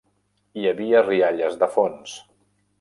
Hi havia rialles de fons.